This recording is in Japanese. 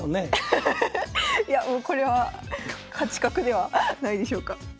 いやもうこれは勝ち確ではないでしょうか。